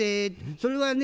それはね